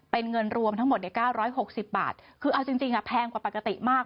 เป็นเงินรวมทั้งหมด๙๖๐บาทคือเอาจริงแพงกว่าปกติมาก